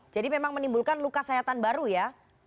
jadi memang menimbulkan luka sayatan baru ya